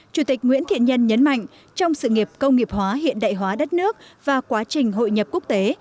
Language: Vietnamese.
chủ tịch nguyễn thiện nhân nhấn mạnh trong sự nghiệp công nghiệp hóa hiện đại hóa đất nước và quá trình hội nhập quốc tế